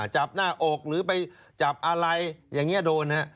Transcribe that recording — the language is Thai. จับหน้าอกหรือไปจับอะไรอย่างนี้โดนฮะ